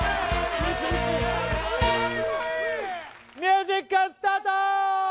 ミュージックスタート！